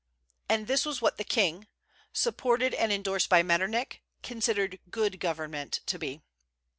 And this was what the king, supported and endorsed by Metternich, considered good government to be.